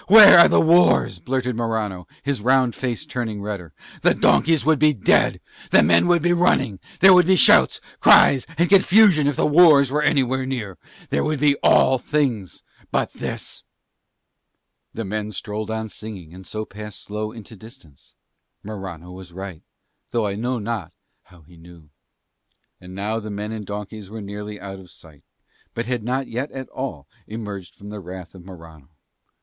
Where are the wars?" blurted Morano, his round face turning redder. "The donkeys would be dead, the men would be running, there would be shouts, cries, and confusion, if the wars were anywhere near. There would be all things but this." The men strolled on singing and so passed slow into distance. Morano was right, though I know not how he knew. And now the men and the donkeys were nearly out of sight, but had not yet at all emerged from the wrath of Morano.